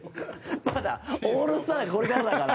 まだオールスター、これからだから。